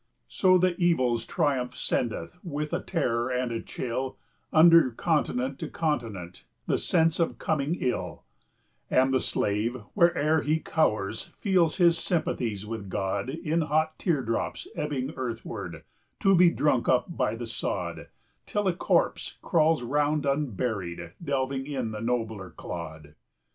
10 So the Evil's triumph sendeth, with a terror and a chill, Under continent to continent, the sense of coming ill, And the slave, where'er he cowers, feels his sympathies with God In hot tear drops ebbing earthward, to be drunk up by the sod, Till a corpse crawls round unburied, delving in the nobler clod.